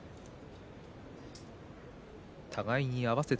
互いに合わせて。